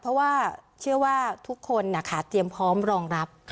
เพราะว่าเชื่อว่าทุกคนเตรียมพร้อมรองรับ